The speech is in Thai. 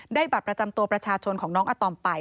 บัตรประจำตัวประชาชนของน้องอาตอมไป